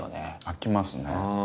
飽きますね。